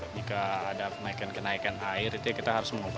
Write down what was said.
jika ada kenaikan kenaikan air itu ya kita harus mengoperasikan